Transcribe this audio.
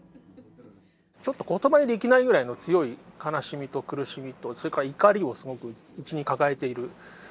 ちょっと言葉にできないぐらいの強い悲しみと苦しみとそれから怒りをすごく内に抱えているというところがあった。